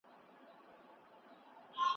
موږ د پرمختګ په لور روان یو.